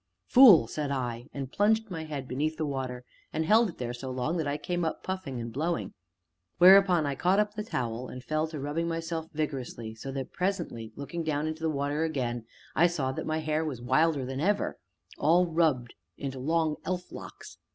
"Fool!" said I, and plunged my head beneath the water, and held it there so long that I came up puffing and blowing; whereupon I caught up the towel and fell to rubbing myself vigorously, so that presently, looking down into the water again, I saw that my hair was wilder than ever all rubbed into long elf locks.